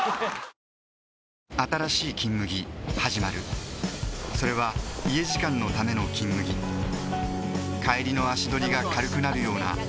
新しい「金麦」はじまるそれは家時間のための「金麦」帰りの足どりが軽くなるような